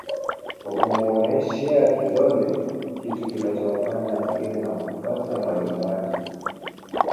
Kwa kumuoneshea kidole kitu kilichomfanya atulie na kumfuata mwalimu wake